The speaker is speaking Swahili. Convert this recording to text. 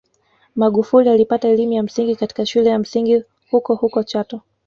Magufuli alipata elimu ya msingi katika shule ya msingi hukohuko Chato